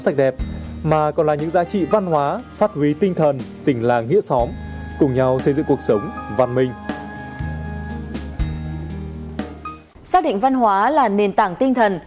xác định văn hóa là nền tảng tinh thần